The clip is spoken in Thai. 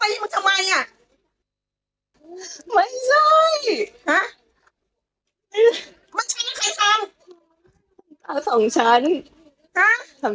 มันตีมันทำไมน่ะไม่ใช่หามันช้ากับใครทำ